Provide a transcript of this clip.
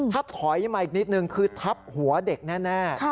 ถ้าถอยมาอีกนิดนึงคือทับหัวเด็กแน่